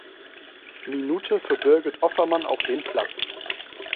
Minute für Birgit Offermann auf den Platz.